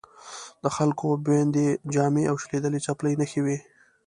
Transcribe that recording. د خلکو بیوندي جامې او شلېدلې څپلۍ نښې وې.